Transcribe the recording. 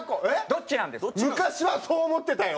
どっちなんですか？